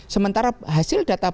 sementara hasil data